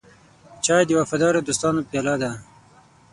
چای د وفادارو دوستانو پیاله ده.